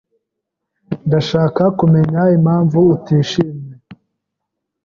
Ndashaka kumenya impamvu utishimye.